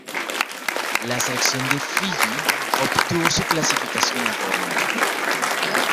La selección de Fiyi obtuvo su clasificación al torneo.